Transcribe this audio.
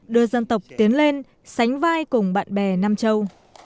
đưa dân tộc tiến lên sánh vai cùng bạn bè nam châu